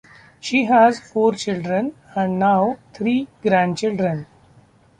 She has four children, and now three grandchildren.